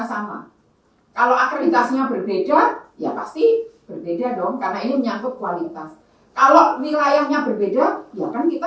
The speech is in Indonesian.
sampai jumpa di video selanjutnya